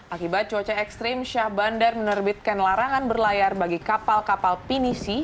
akibat cuaca ekstrim syah bandar menerbitkan larangan berlayar bagi kapal kapal pinisi